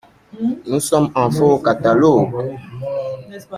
Nous sommes enfin au catalogue!